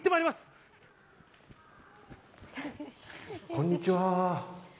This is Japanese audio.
こんにちは。